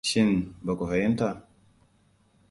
Shin ba ku fahimta?